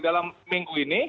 dalam minggu ini